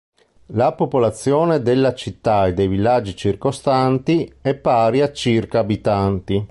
La popolazione della città e dei villaggi circostanti è pari a circa abitanti.